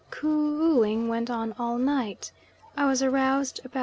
Coo ooing went on all night. I was aroused about 9.